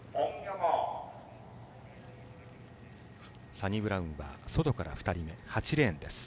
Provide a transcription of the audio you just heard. サニブラウンは外から２人目８レーンです。